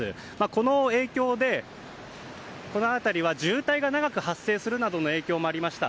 この影響でこの辺りは渋滞が長く発生するなどの影響もありました。